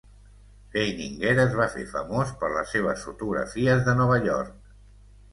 Feininger es va fer famós per les seves fotografies de Nova York.